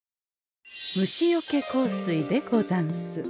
虫よけ香水でござんす。